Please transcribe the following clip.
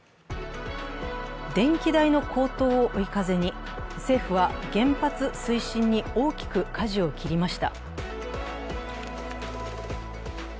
電気代の高騰を追い風に政府は原発推進に大きく舵を切りました。